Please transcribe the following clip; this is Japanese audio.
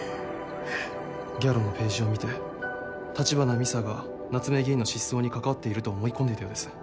ギャロのページを見て橘美沙が夏目議員の失踪に関わっていると思い込んでいたようです。